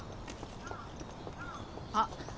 あっ